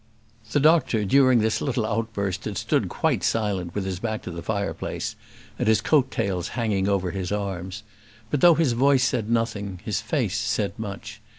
The doctor during this little outburst had stood quite silent with his back to the fireplace and his coat tails hanging over his arms; but though his voice said nothing, his face said much.